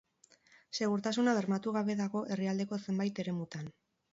Segurtasuna bermatu gabe dago herrialdeko zenbait eremutan.